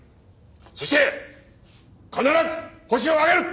そして必ずホシを挙げる！